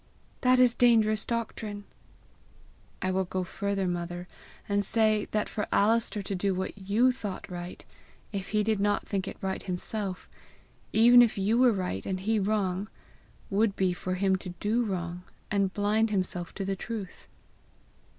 "That is dangerous doctrine!" "I will go farther, mother, and say, that for Alister to do what you thought right, if he did not think it right himself even if you were right and he wrong would be for him to do wrong, and blind himself to the truth."